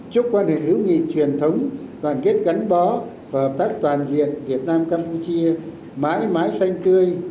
chúc quan hệ hữu nghị truyền thống đoàn kết gắn bó và hợp tác toàn diện việt nam campuchia mãi mãi xanh tươi